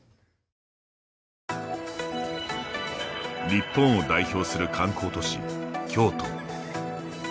日本を代表する観光都市、京都。